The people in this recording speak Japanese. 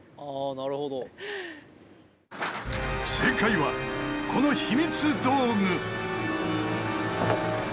正解はこの秘密道具！